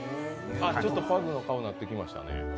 ちょっとパグの顔になってきましたね。